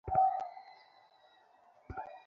গিয়া দেখিলাম, তার স্ত্রী তখন মরিয়া গেছে।